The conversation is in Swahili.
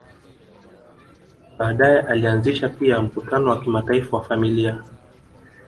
Baadae alianzisha pia mkutano wa kimataifa wa familia